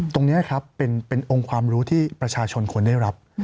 ตรงนี้ครับเป็นองค์ความรู้ที่ประชาชนควรได้รับ